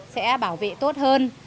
sẽ bảo vệ tốt hơn